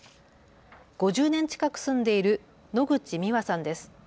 ５０年近く住んでいる野口みわさんです。